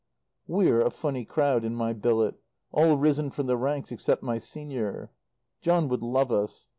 We're a funny crowd in my billet all risen from the ranks except my Senior. John would love us.